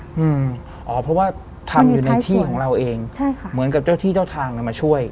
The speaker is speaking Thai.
อืมอ๋อเพราะว่าทำอยู่ในที่ของเราเองใช่ค่ะเหมือนกับเจ้าที่เจ้าทางน่ะมาช่วย